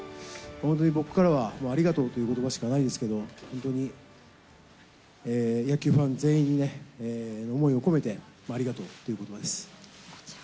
本当に僕からは、もうありがとうということばしかないですけど、本当に野球ファン全員に思いを込めて、ありがとうということばです。